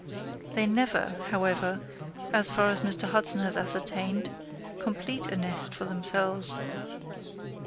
They never, however, as far as Mr. Hudson has ascertained, complete a nest for themselves.